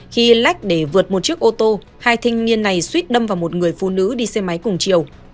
khi lách để vượt một chiếc ô tô hai thanh niên này suýt đâm vào một người phụ nữ đi xe máy cùng chiều